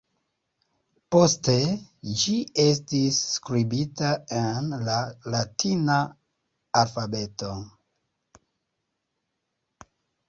Poste ĝi estis skribita en la latina alfabeto.